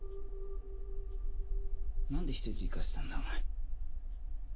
なんで１人で行かせたんだお前。